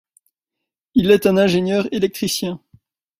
Il est un ingénieur électricien.